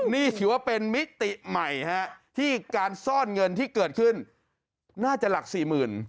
นี่ถือว่าเป็นมิติใหม่ที่การซ่อนเงินที่เกิดขึ้นน่าจะหลักสี่หมื่น